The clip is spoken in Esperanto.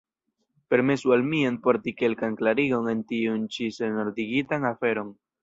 Permesu al mi enporti kelkan klarigon en tiun ĉi senordigitan aferon.